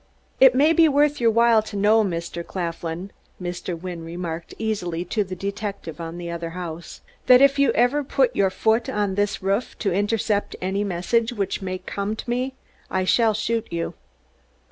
"It may be worth your while to know, Mr. Claflin," Mr. Wynne remarked easily to the detective on the other house, "that if you ever put your foot on this roof to intercept any message which may come to me I shall shoot you."